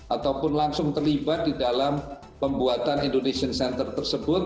ataupun langsung terlibat di dalam pembuatan indonesian center tersebut